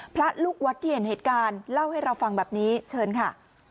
พระลูกวัดที่เห็นเหตุการณ์เล่าให้เราฟังแบบนี้เชิญค่ะ